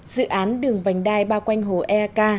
dự án đường vành đai ba quanh hồ eak